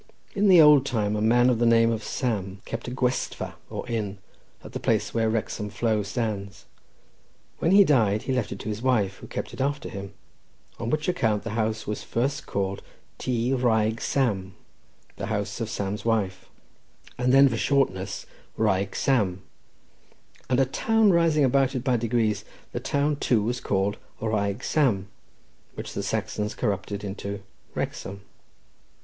In the old time a man of the name of Sam kept a gwestfa, or inn, at the place where Wrexham now stands; when he died he left it to his wife, who kept it after him, on which account the house was first called Tŷ wraig Sam, the house of Sam's wife, and then for shortness Wraig Sam, and a town arising about it by degrees, the town, too, was called Wraig Sam, which the Saxons corrupted into Wrexham.